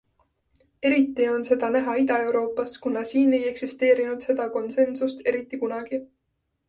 Eriti on seda näha Ida-Euroopas, kuna siin ei eksisteerinud seda konsensust eriti kunagi.